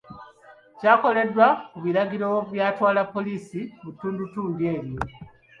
Kyakoleddwa ku biragiro by'atwala poliisi mu ttundutundu eryo.